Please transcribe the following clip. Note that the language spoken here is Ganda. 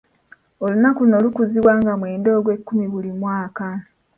Olunaku luno lukuzibwa nga mwenda ogw'ekkumi buli mwaka.